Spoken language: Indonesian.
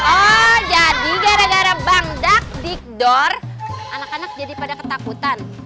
oh jadi gara gara bangdak dikdor anak anak jadi pada ketakutan